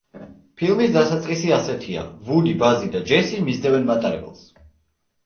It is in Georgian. ფილმის დასაწყისი ასეთია: ვუდი, ბაზი და ჯესი მისდევენ მატარებელს.